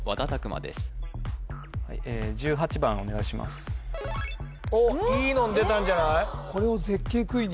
馬ですおっいいのん出たんじゃない？